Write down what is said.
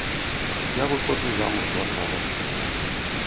Я выходжу замуж за аднаго.